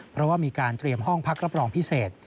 เพราะว่ามีการเตรียมห้องพักรับรองพิเศษ